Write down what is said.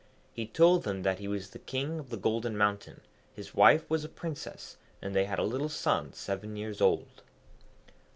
He told them that he was the King of the Golden Mountain, his wife was a Princess, and they had a little son seven years old.